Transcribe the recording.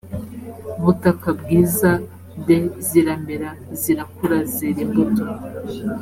butaka bwiza d ziramera zirakura zera imbuto